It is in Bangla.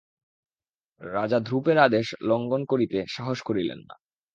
রাজা ধ্রুবের আদেশ লঙ্ঘন করিতে সাহস করিলেন না।